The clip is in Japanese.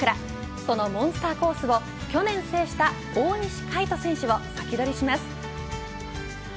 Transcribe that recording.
そのモンスターコースを去年制した大西魁斗選手をサキドリします。